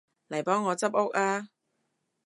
嚟幫我執屋吖